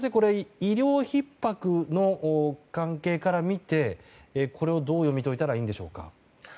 医療ひっ迫の関係からみてどう読み解いたらいいんでしょうか。